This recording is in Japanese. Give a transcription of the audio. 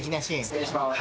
失礼します。